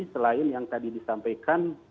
selain yang tadi disampaikan